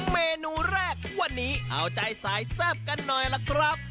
เมนูแรกวันนี้เอาใจสายแซ่บกันหน่อยล่ะครับ